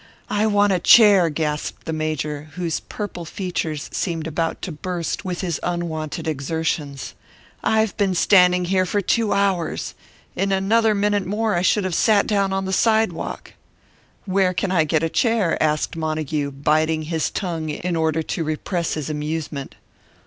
"I want a chair!" gasped the Major, whose purple features seemed about to burst with his unwonted exertions. "I've been standing here for two hours. In another minute more I should have sat down on the sidewalk." "Where can I get a chair?" asked Montague, biting his tongue in order to repress his amusement.